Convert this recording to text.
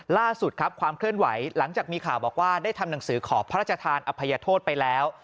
ล่าสุดครับความเคลื่อนไหวหลังจากมีข่าวบอกว่าได้ทำหนังสือขอพระราชทานอภัยโทษไปแล้ว